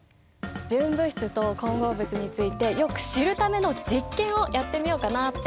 純物質と混合物についてよく知るための実験をやってみようかなって思ってるんだ。